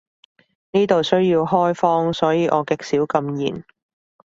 呢度需要開荒，所以我極少禁言